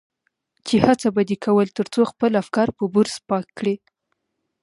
چې هڅه به دې کول تر څو خپل افکار په برس پاک کړي.